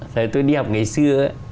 thời tôi đi học ngày xưa